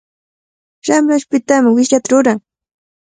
Ramrashpitami wishllataqa ruran.